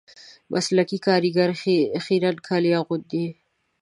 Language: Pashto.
مسلکي کاریګر خیرن کالي اغوندي